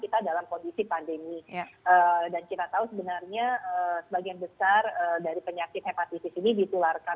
kita dalam kondisi pandemi dan kita tahu sebenarnya sebagian besar dari penyakit hepatitis ini ditularkan